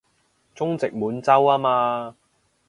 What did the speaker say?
中殖滿洲吖嘛